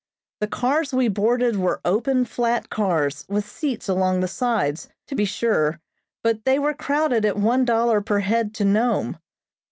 The cars we boarded were open, flat cars, with seats along the sides, to be sure, but they were crowded at one dollar per head to Nome.